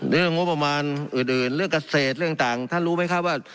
เรื่องงบประมาณอื่นเรื่องเกษตรเรื่องต่างท่านรู้ไหมครับว่า